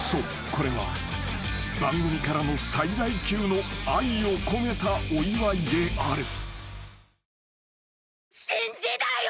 これは番組からの最大級の愛を込めたお祝いである］